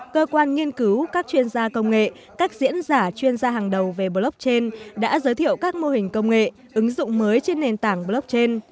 cơ quan nghiên cứu các chuyên gia công nghệ các diễn giả chuyên gia hàng đầu về blockchain đã giới thiệu các mô hình công nghệ ứng dụng mới trên nền tảng blockchain